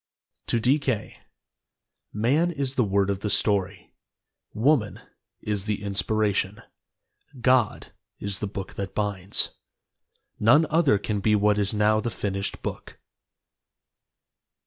(To D. K.) Man is the word of the story, Woman is the inspiration, God is the book that binds, None other can be what is now the finished book.